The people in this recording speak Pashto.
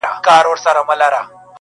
تسلیت لره مي راسی لږ یې غم را سره یوسی.